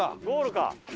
ゴールか。